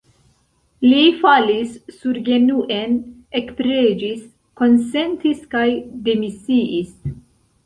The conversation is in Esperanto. Li falis surgenuen, ekpreĝis, konsentis kaj demisiis.